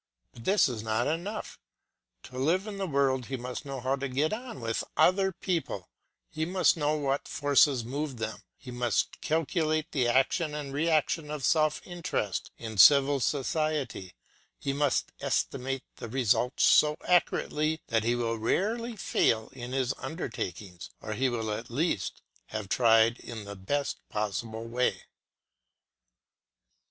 But this is not enough. To live in the world he must know how to get on with other people, he must know what forces move them, he must calculate the action and re action of self interest in civil society, he must estimate the results so accurately that he will rarely fail in his undertakings, or he will at least have tried in the best possible way.